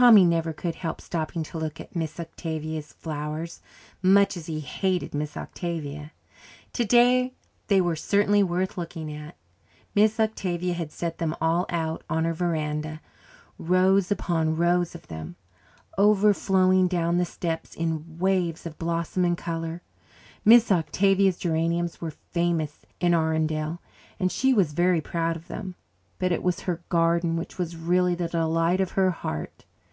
Tommy never could help stopping to look at Miss Octavia's flowers, much as he hated Miss Octavia. Today they were certainly worth looking at. Miss Octavia had set them all out on her verandah rows upon rows of them, overflowing down the steps in waves of blossom and colour. Miss Octavia's geraniums were famous in Arundel, and she was very proud of them. But it was her garden which was really the delight of her heart.